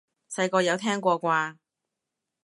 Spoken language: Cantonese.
細個有聽過啩？